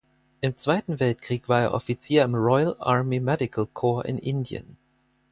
Im Zweiten Weltkrieg war er Offizier im Royal Army Medical Corps in Indien.